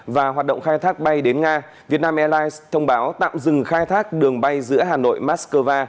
và hoạt động khai thác bay đến nga vietnam airlines thông báo tạm dừng khai thác đường bay giữa hà nội moscow